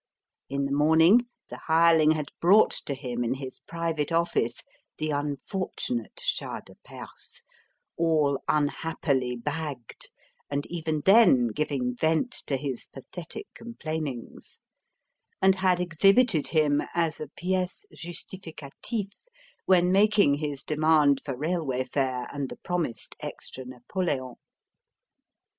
In the morning the hireling had brought to him in his private office the unfortunate Shah de Perse all unhappily bagged, and even then giving vent to his pathetic complainings and had exhibited him, as a pièce justificatif, when making his demand for railway fare and the promised extra napolèon.